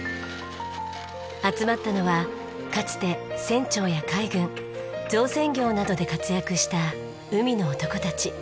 集まったのはかつて船長や海軍造船業などで活躍した海の男たち。